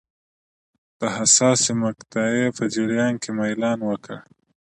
د حساسې مقطعې په جریان کې میلان وکړي.